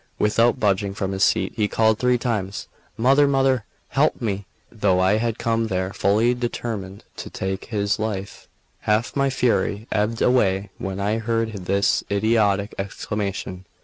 Without budging from his seat, he called three times: "Mother, mother, help me!" Though I had come there fully determined to take his life, half my fury ebbed away when I heard this idiotic exclamation.